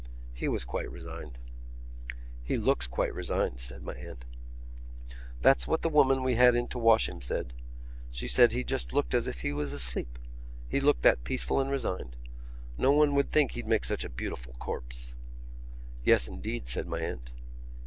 "He was quite resigned." "He looks quite resigned," said my aunt. "That's what the woman we had in to wash him said. She said he just looked as if he was asleep, he looked that peaceful and resigned. No one would think he'd make such a beautiful corpse." "Yes, indeed," said my aunt.